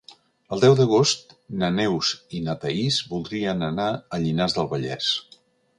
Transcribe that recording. El deu d'agost na Neus i na Thaís voldrien anar a Llinars del Vallès.